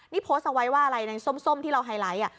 นี่โพสต์เอาไว้ว่าอะไรในส้มที่เราไฮไลท์